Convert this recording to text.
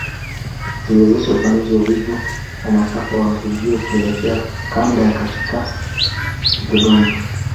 Aliwezesha upanuzi wa wigo wa masafa ya redio kuelekea kanda ya kati Dodoma